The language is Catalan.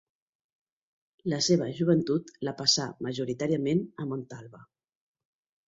La seva joventut la passà, majoritàriament, a Montalba.